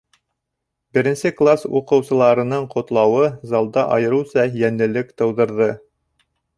Беренсе класс уҡыусыларының ҡотлауы залда айырыуса йәнлелек тыуҙырҙы.